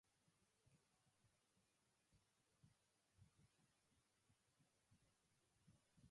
In this case, Jake arranged for someone to fix his wardrobe.